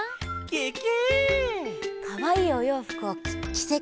ケケ。